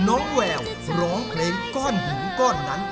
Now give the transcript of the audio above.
แววร้องเพลงก้อนหินก้อนนั้น